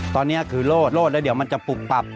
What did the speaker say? ตอนนี้คือโลดแล้วเดี๋ยวมันจะปุบปับ